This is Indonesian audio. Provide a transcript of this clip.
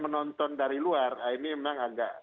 menonton dari luar ini memang agak